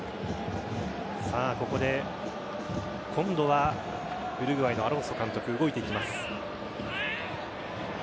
ここで、今度はウルグアイのアロンソ監督動いていきます。